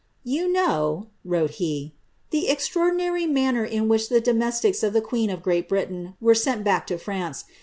'^You know," wrote he,* "the extraordi nary manner in which the domestics of the queen of Great Britain were ^M back to France.